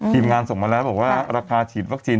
ทีมงานส่งมาแล้วบอกว่าราคาฉีดวัคซีน